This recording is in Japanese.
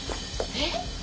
えっ！？